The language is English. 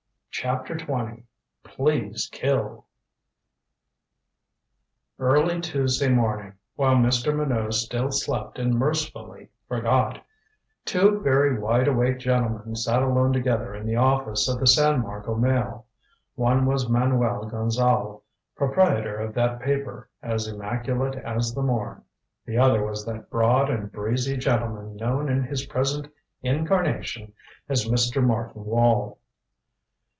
CHAPTER XX "PLEASE KILL" Early Tuesday morning, while Mr. Minot still slept and mercifully forgot, two very wide awake gentlemen sat alone together in the office of the San Marco Mail. One was Manuel Gonzale, proprietor of that paper, as immaculate as the morn; the other was that broad and breezy gentleman known in his present incarnation as Mr. Martin Wall.